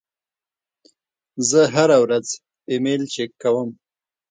زه هره ورځ ایمیل چک کوم.